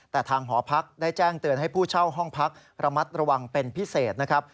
แต่ทางหอพักได้แจ้งเตือนให้ผู้เช่าห้องพักระมัดระวังเป็นพิเศษนะครับ